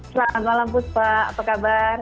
selamat malam puspa apa kabar